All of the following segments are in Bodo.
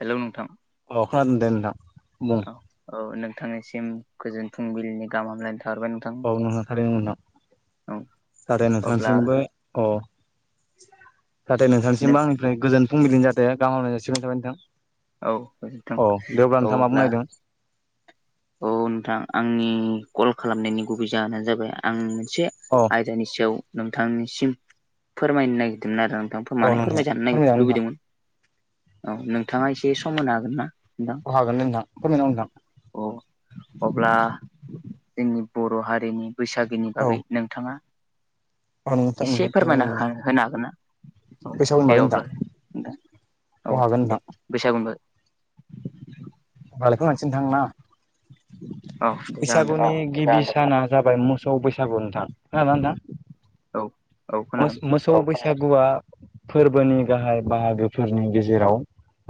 हेलौ नोंथां अ' खोनादोंदे नोंथां बुं औ औ नोंथांनिसिम गोजोन फुंबिलिनि गाहाम हामलायनाय थाहरबाय नोंथां औ नोंगौ थारैनो औ नोंथां आरो अब्ला नोंथांनिसिमबो औ जाहाथे नों नोंथांसिमबो आंनिफ्राय गोजोन फुंबिलिनि जाहाथे गाहाम हामब्लायनाय जासिगाहरनाय थाबाय औ नोंथां नोंथां औ दे अब्ला नोंथाङा मा बुंनो नागिरदों? औ नोंथां आंनि कल खालामनायनि गुबै जाहोनानो जाबाय आं मोनसे औ दे आयदानि सायाव नोंथांनिसिम फोरमायनो नागिरदोंमोन आरो आं नोंथां माने अब्ला फोरमायजानो नोंथाङा मा लुबैदोंमोन औ नोंथाङा एसे सम होनो हागोनना? औ हागोन नोंथां फोरमायगोन नोथां औ अब्ला जोंनि बर' हारिनि बैसागोनि औ बागै नोंथाङा औ नोंथां फोरमायजागोन नोंथां औ हागोन एसे दे नोंथां हो नोंथां औ नोंथां थारैनो फोरमायना नोंथां होनो हागोन ना? औ बैसागुनि दे बागै अब्ला नोंथां दे औ अ हागोन दे नोंथां बैसागुनि बागै [inaudible] होमबालाय बेखौनो लानोसै नोंथां ना? औ दे जागोन दे बैसागुनि नोंथां गिबि साना जाबाय मोसौ बैसागु नोंथां खोनादोंना नोंथां? औ औ मोस खोनादों मोसौ बैसागुआ फोरबोनि गाहाय बाहागोफोरनि गेजे जेराव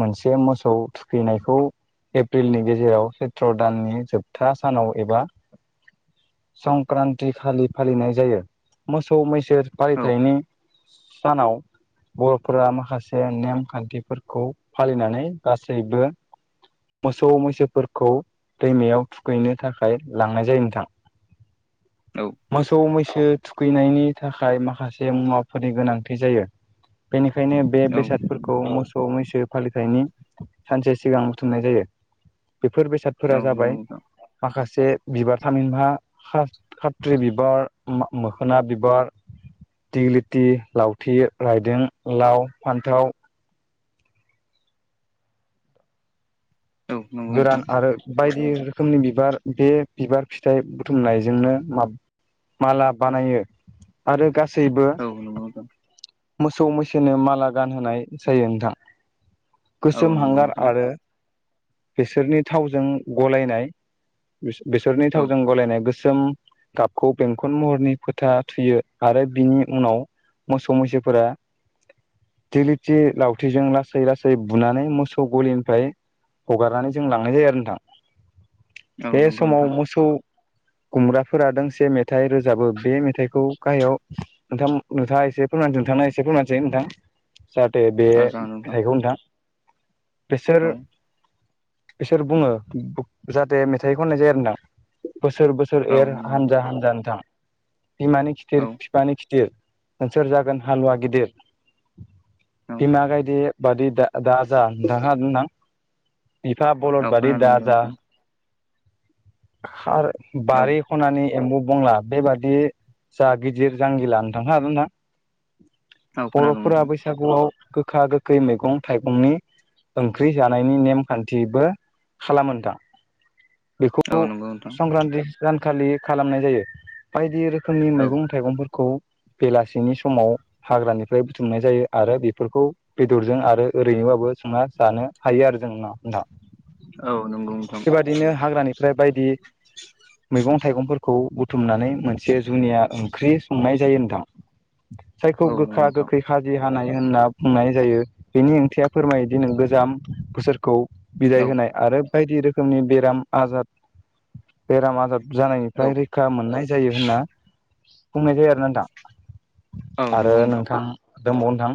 मोनसे मोसौ थुखैनायखौ एप्रिलनि गेजेराव सैत्र दाननि जोबथा सानाव एबा संक्रान्ति खालि फालिनाय जायो मोसौ मैसो औ फालिथायनि सानाव बर'फोरा माखासे नेमखान्थिफोरखौ फालिनानै गासैबो मोसौ मैसोफोरखौ दैमायाव थुखैनो थाखाय लांनाय जायो नोंथां औ मोसौ मै सो थुखैनायनि थाखाय माखासे मुवाफोरनि गोनांथि जायो बेनिखायनो बे औ बेसादफोरखौ मोसौ मैसो फालिथायनि सानसे सिगां बुथुमनाय जायो बेफोर औ बेसादफोरा नंगौ जाबाय नोंथां माखा से बिबार थामिनहा खा-खात्रि बिबार मो-मोखोना बिबार दिगलिथि लावथि, रायदों, लाव, फान्थाव औ नंगौ नोंथां गोरान आरो बायदि रोखोमनि बिबार बे बिबार फिथाइ बुथुमनायजोंनो माला बानायो आरो गास औ नंगौ नोथां मोसौ मैसोनो माला गानहोनाय जायो नोंथां औ गोसोम नंगौ हांगार नोंथां आरो बिसोरनि थावजों गलायनाय बिसोरनि औ थावजों गलायनाया गोस सोम गाबखौ बेंखन महरनि फोथा थुयो आरो बिनि उनाव मोसौ मैसोफोरा दिगलिथि लावथिजों लासै लासै बुनानै मोसौ गलिनिफ्राय हगारनानै जों लांनाय जायो आरो नोंथां औ बे नंगौ समाव नोंथां मोसौ गुमग्राफोरा दोंसे मेथाइ रोजाबो बे मेथाइखौ गाहायाव नोंथां नोंथाङा एसे फोरमानो नोंथां आ एसे फोरमानो नोंथां जाहाथे बे औ जागोन मेथाइखौ नोंथां बेसोर औ बिसोर बुङो जाहाथे मेथाइ खननाय जायो आरोना बोसोर बोसोर औ एर नंगौ नोंथां हानजा हानजा नोंथां बिमानि औ खिथिर बिफानि खिथिर नोंसोर जागोन हालुवा गिदिर औ बिमा गायदे बादि दा दाजा नोंथां बिफा बलद औ बायदि खोनादों दा जा नोंथां आरो औ बारि खनानि एम्बु बंला बेबादि जा गिदिर जांगिला नोंथां औ खोनादों बर'फोरा नोंथां बैसागुआव गोखा गोखै मैगं थाइगंनि ओंख्रि जानायनि नेमखान्थिबो खालामो नोंथां औ बेखौ नंगौ नोंथां संक्रान्ति सानखालि खालामनाय जायो बायदि रोखोमनि औ मैगं थाइगंफोरखौ गं बेलासिनि समाव हाग्रानिफ्राय बुथुमनाय जायो आरो बेफोरखौ बेदरजों आरो ओरैनोबाबो संना जानो हायो आरो जों उनाव औ नंगौ नोंथां हाग्रानिफ्राय बायदि मैगं थाइगंफोरखौ बुथुमनानै मोनसे जुनिया ओंख्रि संनाय जायो नोंथां जायखौ औ नंगौ गोखा नोंथां गोखै खाजि हानाय होनना बुंनाय जायो बेनि ओंथिया फोरमायोदि नों गोजाम बोसोरखौ औ बिदाय होनाय आरो बायदि रोखोमनि बेराम आजार बेराम आजार औ जानायनिफ्राय रैखा मोननाय जायो होनना बुंनाय जायो आरोना औ नोंथां आरो नंगौ नोंथां दंबाव नोंथां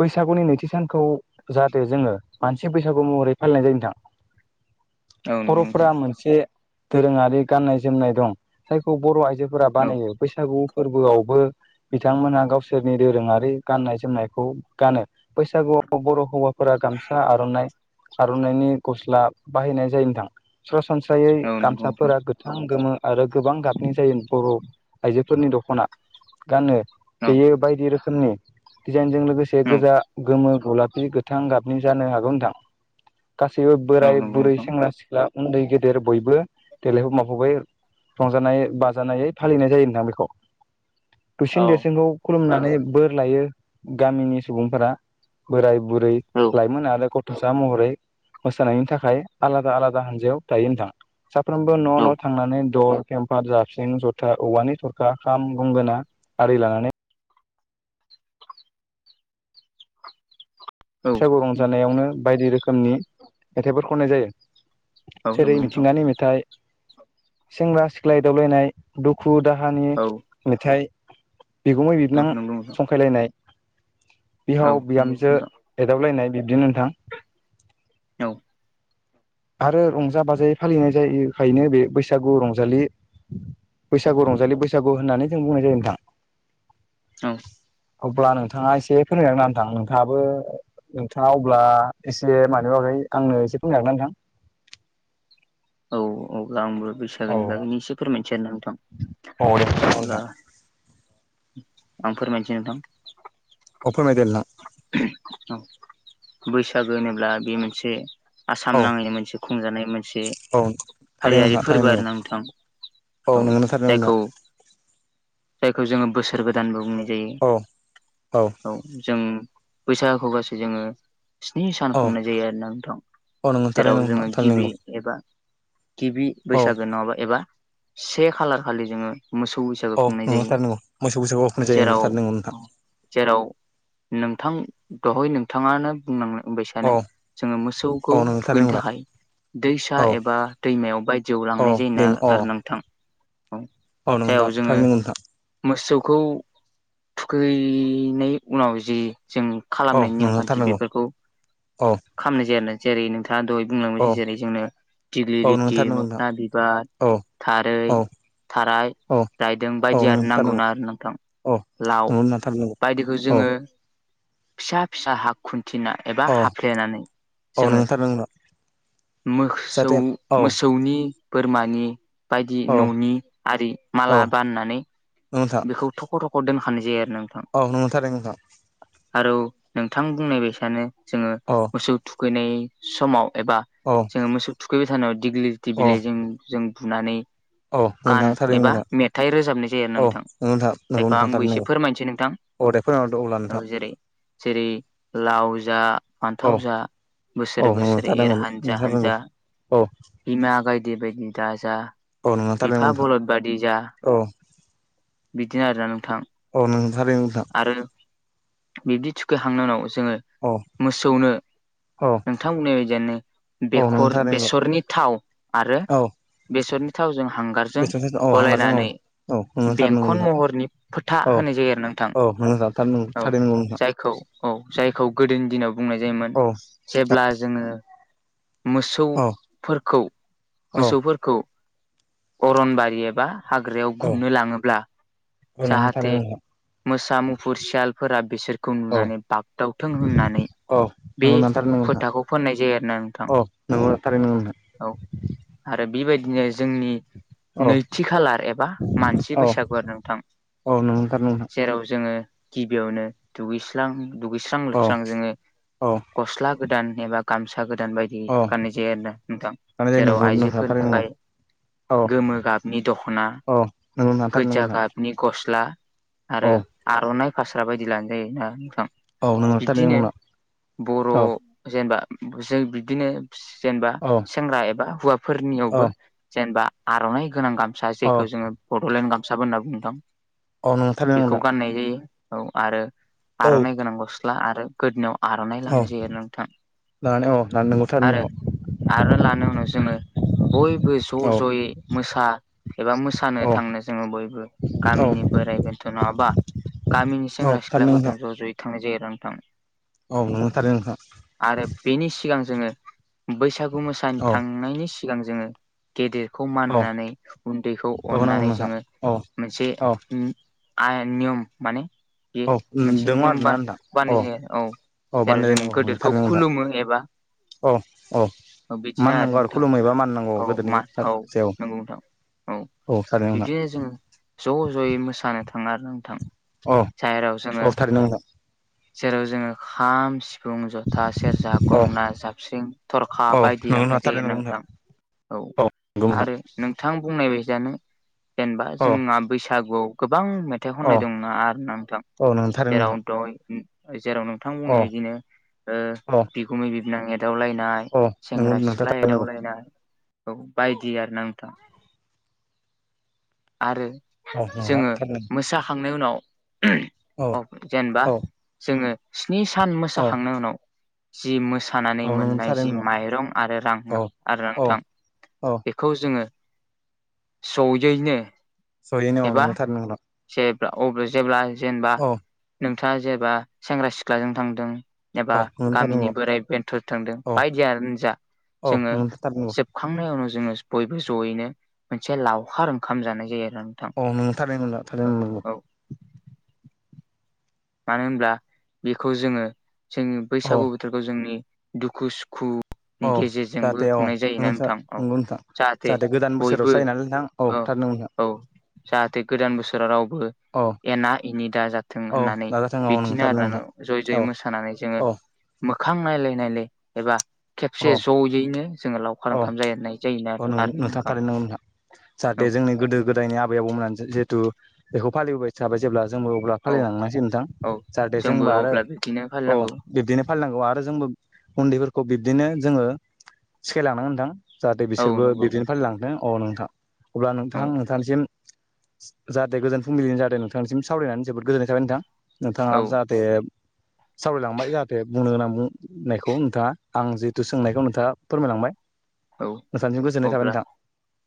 बैसागुनि नैथि सानखौ जाहाथे जोङो मानसि बैसागु महरै फालिनाय जायो नोंथां [inaudible] नंगौ नोंथां बर'फोरा मोनसे दोरोङारि गाननाय जोमनाय दं जायखौ बर' आइजो फोरा औ बानायो बैसागु फोरबोआवबो बिथांमोनहा गावसोरनि दोरोंङारि गाननाय जोमनायखौ गानो बैसागुआव बर' हौवाफोरा गामसा आर'ना आर'नाइनि गस्ला बाहायनाय जायो नोंथां सरासनस्रा सासनस्रायै औ नंगौ नोंथां गामसाफोरा गोथां गोमो आरो गोबां गाबनि जायो बर' आइजो फोरनि दख'ना गानो औ बेयो बायदि रोखोमनि दिजाइनजों लोगोसे औ गोजा गोमो गलाफि गोथां गाबनि जानो हागौ नोंथां गासैबो औ बोराय नंगौ बुरै नोंथां सेंग्रा सिख्ला उन्दै गेदेर बयबो देलायगोमाखबायो रंजानाय बाजानाय फालिनाय जायो नोंथां बेखौ औ दुसिन देरसिनखौ खुलुमनानै बोर लायो गामिनि सुबुंफोरा बोराय बुरै औ लाइमोन आरो गथ'सा महरै मोसानायनि थाखाय आलादा आलादा हानजायाव थायो नोंथां साफ्रोमबो औ न' न' थांनानै द' पेम्पार जाफिं जथा औवानि थरखा खाम गुंगोना आरि लानानै औ बैसागु रंजानायावनो बायदि रोखोमनि मेथाइफोर खननाय जायो नंगौ नोंथां जेरै मिथिंगानि मेथाइ सेंग्रा सिख्लाय एदावलायनाय दुखु दुखु दाहानि औ मेथाइ बिगुमै औ बिबोनां नंगौ नोंथां जंखायलायनाय औ बिहाव बिहामजो नंगौ एदावलायनाय बिब्दिनो नोंथां औ आरो रंजा बाजायै फालिनाय जायोखायनो बे बैसागु रंजालि बैसागु रंजालि बैसागु होननानै जों बुंनाय जायो नोंथां औ अब्ला नोंथाङा एसे फोरमायनानै होना नोंथाङाबो नोंथाङा अब्ला एसे मानिबा मानिबा आंनो एसे फोरमायनो हागोन ना नोंथां बाहाय औ अब्ला आंबो। औ नोंथां औ दे औ अब्ला। नोंथां आं फोरमायनोसै नोंथां। अ फोरमायदो नोंथां। औ बैसागो होनोब्ला बे मोनसे आसाम औ नाङैनो मोनसे खुंजानाय मोनसे औ थारैनो हारियारि नोंथां फोरबो थारैनो आरो नंगौ नोंथां। औ नोंगौ थारैनो जायखौ नोंथां औ औ जोङो। बैसागखौ गासै जोङो। स्नि‌सान औ खुंनाय जायो‌ आरोना नोंथां औ नोंगौ थारैनो जेराव जों नोंथां थारैनो नंगौ गिबि एबा गिबि औ बैसागो नंङबा एबा से खालखर खालि जोंङो मोसौ बैसागो औ खुंनाय नंगौ जायो। थारनांगौ मोसौ बैसागुआव होनाय जायो नों थारनांगौ नोंथां नोंथा। औ औ नों थारनांगौ दा औ बैसागोआनो। बा दैमायाव बायदिआव औ लांनाय जायो ना दैमा अ आरो नोंथां। औ जयाव नोंथां जोङो थारैनांगौ नोंथां मोसौ। खौ थुखैनाय उनाव जि। जों औ खालामनाय नोंथां नेमखान्थि थारनांगौ बफोर। औ दा दहै औ बुंलांबायसै जेरै जोंनो। दिलि औ नोंथां लिटि थारनांगौ नोंथां मोखना बिबार औ थारै। औ थाराय। औ औ नोंथां थारनांगौ औ लाव नंगौ नोंथां थारनांगौ बायदिखौ औ जोङो। फथिना एबा। औ औ नोंथां थारनांगौ नोंथां जाहाथे औ मोसौनि बोरमानि। बायदि औ न'नि आरि औ माला बानायनानै। अ थारैनो नोंथां। आरो नोंथां बुंनायबाय सानो जोङो औ मोसौ थुखैनाय समाव। एबा औ जोङो मोसौ थुखैबाय थानायाव दिग्लि दि औ बिलाइजों जों बुनानै। औ नोंथां गान थारैनो एबा नंगौ मेथाइ रोजाबनाय जायो औ नोंथां। [inaudible] नंगौ नंगौ नोंथां थारैनो नंगौ औ दे फोरमायहरदो अब्ला नोंथां जेरै लाव जा। औ फान्थाव जा औ बोसोरै नंगौ बोसोरै। थारनांगौ नोंथां थारनांगौ औ बिमा गाइदे बायदि दााजा। औ नंगौ थारनांगौ बिफा नोंथां बरलद। औ अ नों सारि दां। बिब्दि थिखैखांनायनि उनाव जोङो औ मोसौनो। औ नोंथांमोननाय बायदियानो औ नों थारैनो बेसरनि थाव आरो। औ बेसरनि थावजों हांगारजों बेथ' औ हांगारजों औ गलायनानै। औ नोंनो थारनांगौ बेंखन नोंथां महरनि फोथा। औ होनाय जायो आरो नोंथां औ नोंनो थारनांगौ औ थारैनांगौ नोंथां जायखौ औ जायखौ। गोदोनि। औ औ मोसौफोरखौ औ मोसौफोरखौ अरनबारि एबा हाग्रायाव औ गुमनो लाङोब्ला नोंनो थारैनो जाहाथे। जे नोंथां मोसा मुफुर सियालफोरा बिसोरखौ नुनानै बागदावथों होननानै। औ बे नोंगौ थारैनो नंगौ नोंथां फोथाखौ फोननाय जायो आरोना नोंथां। औ नोंगौ थारैनो नंगौ नोंथां औ आरो। बेबायदिनो। औ औ औ नोंगौ थारैनो नोंथां जेराव जोङो गिबियावनो दुगैस्रां। दुगैस्रां औ लोबस्रां जोङो औ गस्ला गोदान एबा गामसा। गामसा गोदान बायदि औ गाननाय जायो आरोोना नोंथां लानाय जायो जेराव नोंखौ नोंथां आइजोफोरनि थारैनो नंगौ थाखाय। औ गोमो गाबनि दख'ना औ नोंगौ नोंथां थारैनो गोजा नोंगौ नोंथां गाबनि गस्ला आरो औ आर'नाइ फास्रा बायदि लानाय जायोना नोंथां औ नोंगौ थारैनो नोंगौ बिब्दिनो नोंथां बर' औ जेनबा जों बिब्दिनो जेनबा औ सेंग्रा एबा औ हौवाफोरनियावबो जेनबा आर'नाइ गोनां गामसा जेखौ जोङो बड'लेण्ड गामसाबो होनना बुङो नोंथां। औ नोंगौ थारैनो नोंगौ बेखौ गाननाय जायो औ आरो नोंथां आर'नाइ गोनां गस्ला आरो गोदनाव आर'नाइ लानाय जायो आरो नोंथां अ दा नोंगौथार नों आरो लानो उनाव जोङो बयबो ज' औ ज'यै मोसा एबा मोसानो औ थांनो जोङो बयबो औ गामिनि बे बेन्थ' नङाबा गामिनि औ सेंग्रा थारैनो नोंथां सिख्लाफोरदों ज' ज'यै थांनाय जायो आरो नोंथां। औ नंगौ थारैनो नोंथां आरो बेनि सिगां जोङो बैसागु मोसानि औ थांनायनि सिगां जोङो गेदेर खौ मान औ होनानै उन्दैखौ औ नंगौ अननानै नोंथां जोङो औ मोनसे औ आय नियम माने बे औ मोनसे दङ नियम आरोना बा नोंथां बानाय जायो औ औ जेराव जों बानायनाय औ नंगौ गोदोरखौ थारैनो नोंथां खुलुमो एबा औ औ औ बिदिनो आरो मानिनांगौ नोंथां खुलुमहैबा मानिनांगौ औ गोदोनि मा औ सायाव नंगौ नोंथां औ थारैनो नोंथां बिदिनो जोङो ज' ज'यै मोसानो थाङो आरो नोंथां अह जेराव जोङो [unintelligible] नोंथां जेराव जोङो खाम सि फुं ज'था सेरजा औ गंना जाबस्रिं थ'रखा औ बायदि नंगौ लांनाय नोंथां जायो थारैनो नंगौ नोंथां। औ नंगौ नोंथां आरो नोंथां बुंनाय बाय जेनो जेनबा औ जोङा बैसागुआव गोब बां मेथाइ औ खननाय दं ना आरो नोंथां औ नोंथां थारैनो जेराव नोंथां दइ उम जेराव नोंथां औ बुंनाय बायदिनो ओ औ बिगुमै बिबोनां ए दावलायनाय औ नंगौ सेंग्रा नोंथां सिख्ला थारैनो नंगौ एदावलायनाय औ बायदि आरो नोंथां आरो औ नोंथां जोङो थारैनो मोसाखांनाय उनाव उम औ अ जेनबा औ जोङो स्नि सान औ मोसाखांनाय उनाव जि मोस खानानै औ नंगौ मोननाय थारैनो जि नंगौ माइरं आरो रां औ आरो औ रांथां औ बेखौ जोङो सौजैनो जहैनौ अ नोंगोथार नोंथां अब्ला जेब्ला जेनबा नोंथाङा जेबा सेंग्रा सिख्लाजों थांदों एबा औ नोंनो थारैनो गामिनि नंगौ बोराइ बेन्थर थांदों औ बायदि आरो नोंजा औ जोङो नोंनो थारैनो नंगौ जोबखांनायाव जोङो बयबो ज'यैनो मोनसे लावखार ओंखाम जानाय जायो आरो नोंथां अ नों थारैनो ना थारैनो औ मानो होनब्ला बेखौ जोङो जोंनि औ बैसागु बोथोरखौ जोंनि दुखु सुखु अह जाहाथे अह नोंगो सार नोंथां औ नोंगो नोंथां जाहाथे गोदान बोसोराव जायो ना नोंथां औ थार नोंथां औ जाहाथे गोदान बोसोराव रावबो औ एना एनि दाजाथों औ होननानै नाजाथों औ नोंगौ बिदिनो थारैनो आरो नंगौ नो नोंथां ज'य ज'यै औ मोसानानै जोङो औ मोखां नायलाय नायलाय एबा खेबसे औ ज'यैनो जोङो लावखार औ ओंखाम जानाय जायो ना औ आरो नोंथां थारैनो नंगौ नोंथां नो जाहाथे जोंनि गोदो गोदायनि आबै आबौमोनानो जिहेतु बेखौ फालिबोबाय थाबाय जेब्ला जोंबो अब्ला औ फालिलांनांसिगोन नोंथां औ जाहाथे जोंबो आरो अब्ला बिदिनो अह फालिनांगौ बिदिनो फालिनांगौ आरो जोंबो उन्दैफोर खौ बिब्दिनो जोङो सिखायलांनांगोन नोंथां जाहाथे औ बिसोरबो नंगौ बिदिनो फालिलांथों अ नोंथां अब्ला औ नोंथां नोंथांनिसिम जाहाथे गोजोन फुंबिलिनि जाहाथे नोंथांनिसिम सावरायनानै जोबोद गोजोननाय थाबाय नोंथां औ नोंथाङा जाहाथे सावरायलांबाय जाहाथे बुंनो गोनां बुंनायखौ नोंथाङा आं जिहेथु सोंनायखौ नोंथाङा फोरमायलांबाय औ नोंथांनिसिम गोजोननाय थाबाय अब्ला नोंथां।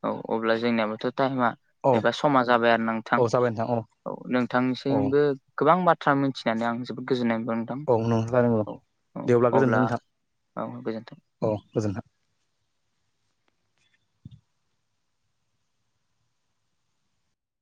औ अब्ला जोंनियाबोथ' टाइमा औ एबा समा जाबाय आरो नोंथां। औ जाबाय नोंथां औ औ नोंथांनिसिमबो गोबां बाथ्रा मिथिना आं जोबोद गोजोनाय मोनबाय नोंथां औ नों जादोंल' औ औ दे अब्ला गोजोनथों नोंथां औ गोजोन्थों औ गोजोनथों